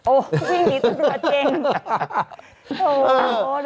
โอ้วิ่งหนีตำรวจเจ็ง